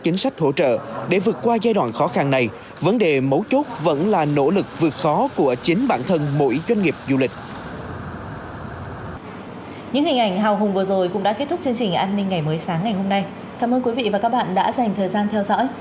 cảm ơn quý vị và các bạn đã dành thời gian theo dõi